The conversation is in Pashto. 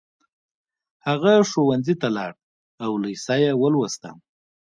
هغه ښوونځي ته لاړ او لېسه يې ولوسته